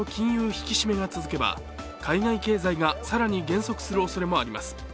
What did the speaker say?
引き締めが続けば海外経済が更に減速するおそれもあります。